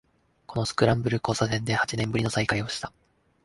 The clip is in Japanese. このスクランブル交差点で八年ぶりの再会をした